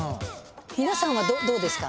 皆さんはどうですか？